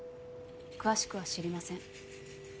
詳しくは知りません。